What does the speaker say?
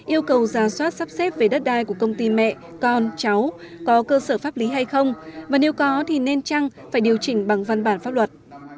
yêu cầu ra soát sắp xếp về đất đai của công ty mẹ con cháu có cơ sở pháp lý hay không và nếu có thì nên chăng phải điều chỉnh bằng văn bản pháp luật